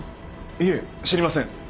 いえ知りません。